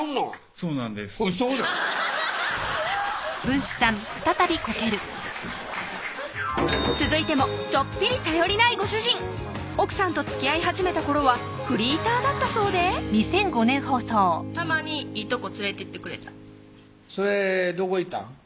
そうなん続いてもちょっぴり頼りないご主人奥さんとつきあい始めた頃はフリーターだったそうでたまにいいとこ連れていってくれたそれどこ行ったん？